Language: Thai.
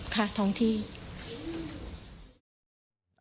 ค่ะท้องที่